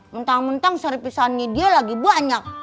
mentang mentang serpisahannya dia lagi banyak